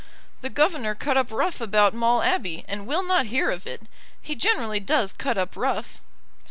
"The governor cut up rough about Maule Abbey, and will not hear of it. He generally does cut up rough."